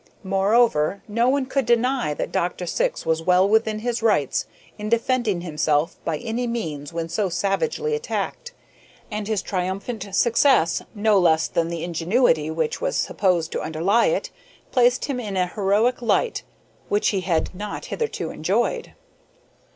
Moreover, no one could deny that Dr. Syx was well within his rights in defending himself by any means when so savagely attacked, and his triumphant success, no less than the ingenuity which was supposed to underlie it, placed him in an heroic light which he had not hitherto enjoyed.